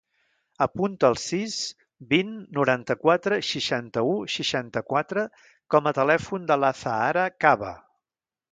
Apunta el sis, vint, noranta-quatre, seixanta-u, seixanta-quatre com a telèfon de l'Azahara Cava.